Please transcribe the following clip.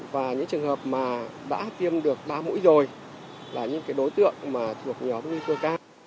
và những trường hợp mà đã tiêm được ba mũi rồi là những đối tượng mà thuộc nhóm nguy cơ cao